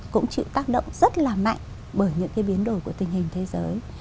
cũng chịu tác động rất là mạnh bởi những cái biến đổi của tình hình thế giới